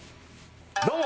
どうも！